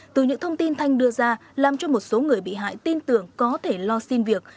từ những thông tin thanh đưa ra làm cho một số người bị hại tin tưởng có thể lo xin việc